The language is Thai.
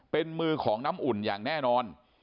เป็นมือของน้ำอุ่นอย่างแน่นอน